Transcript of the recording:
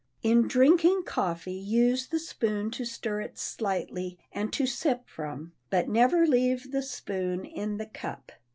In drinking coffee use the spoon to stir it slightly and to sip from, but never leave the spoon in the cup.